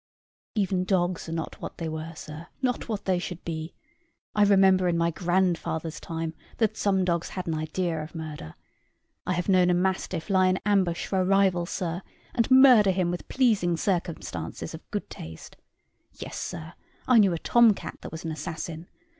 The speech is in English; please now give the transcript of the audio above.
"Even dogs are not what they were, sir not what they should be. I remember in my grandfather's time that some dogs had an idea of murder. I have known a mastiff lie in ambush for a rival, sir, and murder him with pleasing circumstances of good taste. Yes, sir, I knew a tom cat that was an assassin.